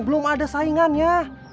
belum ada saingannya